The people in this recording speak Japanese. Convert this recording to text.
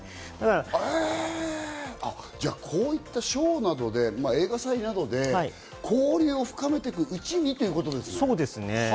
へ、こういった賞などで映画祭などで交流を深めていくうちにということですね。